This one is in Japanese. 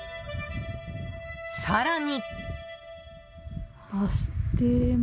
更に。